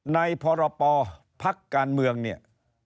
ในพรปพักการเมืองเนี่ย